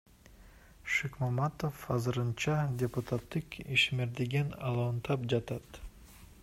Шыкмаматов азырынча депутаттык ишмердигин улантып жатат.